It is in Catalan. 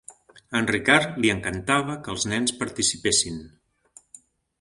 A en Ricard li encantava que els nens participessin.